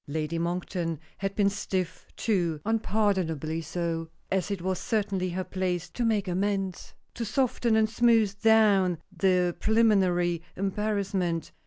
Lady Monkton had been stiff, too; unpardonably so as it was certainly her place to make amends to soften and smooth down the preliminary embarrassment.